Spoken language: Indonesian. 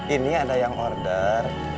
ini ada yang order